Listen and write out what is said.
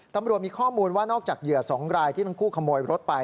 ตำรวจมีข้อมูลว่านอกจากเหยื่อ๒รายที่ทั้งคู่ขโมยรถไป